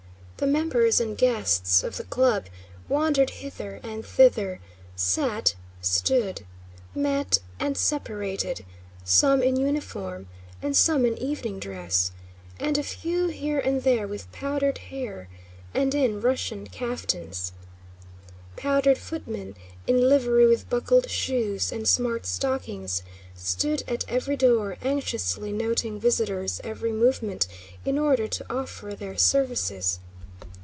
The members and guests of the club wandered hither and thither, sat, stood, met, and separated, some in uniform and some in evening dress, and a few here and there with powdered hair and in Russian kaftáns. Powdered footmen, in livery with buckled shoes and smart stockings, stood at every door anxiously noting visitors' every movement in order to offer their services.